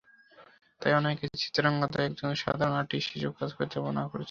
তাই অনেকে চিত্রাঙ্গদায় একজন সাধারণ আর্টিস্ট হিসেবে কাজ করতে মানা করেছিল।